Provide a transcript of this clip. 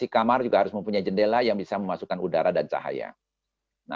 kamar juga harus mempunyai jendela yang bisa memasukkan udara dan cahaya